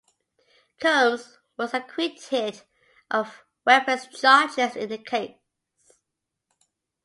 Combs was acquitted of weapons charges in the case.